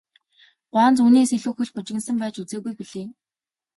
Гуанз үүнээс илүү хөл бужигнасан байж үзээгүй билээ.